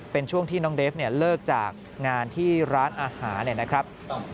เป็นช่วงที่น้องเดฟเลิกจากงานที่ร้านอาหารเนี่ยนะครับ